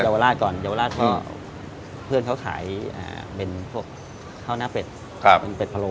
เยาวราชก่อนเยาวราชเพื่อนเขาขายเป็นข้าวหน้าเป็ดเป็ดพะโล